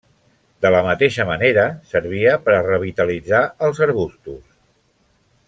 De la mateixa manera servia per a revitalitzar els arbustos.